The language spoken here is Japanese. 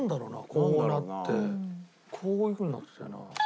こうなってこういうふうになってたよな。